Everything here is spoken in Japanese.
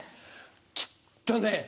きっとね